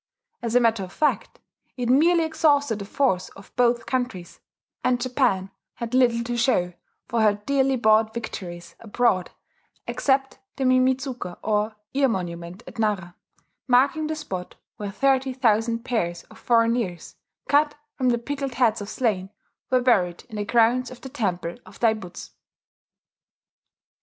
As a matter of fact, it merely exhausted the force of both countries; and Japan had little to show for her dearly bought victories abroad except the Mimidzuka or "Ear Monument" at Nara, marking the spot where thirty thousand pairs of foreign ears, cut from the pickled heads of slain, were buried in the grounds of the temple of Daibutsu....